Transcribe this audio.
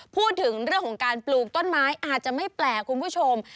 พูดถึงเรื่องของการปลูกต้นไม้อาจจะไม่แปลกคุณผู้ชม